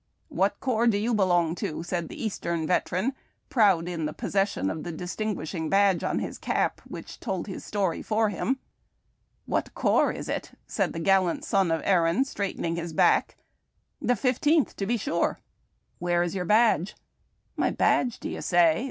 "What corps do you belong to?" said the Eastern veteran, proud in the possession of the dis tinguisliing badge on his cap, which told his story for him. '■'■ What corps, is it ?" said the gallant son of Erin, straight ening liis back; ''the Fifteenth, to be sure." "Where is your badge ?"" My badge, do ye say ?